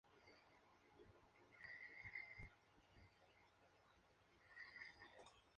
Comúnmente funcionan como un conjunto fijo sin parar entre sus terminales.